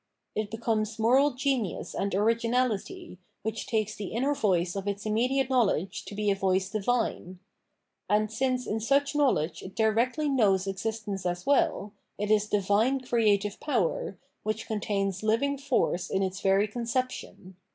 It becomes moral genius and originality, which takes the inner voice of its immediate knowledge to be a voice divine ; and since in such knowledge it directly knows existence as well, it is divine creative power, which contains living force in its very conception.